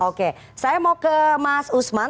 oke saya mau ke mas usman